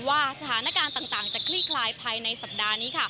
ว่าสถานการณ์ต่างจะคลี่คลายภายในสัปดาห์นี้